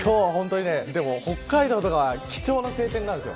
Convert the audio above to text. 北海道とかは貴重な晴天なんです。